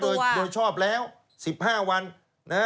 โดยชอบแล้ว๑๕วัน